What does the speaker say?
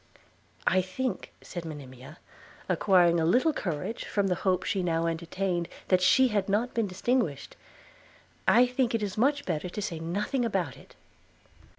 'I think,' said Monimia, acquiring a little courage from the hope she now entertained that she had not been distinguished, 'I think it is much better to say nothing about it.'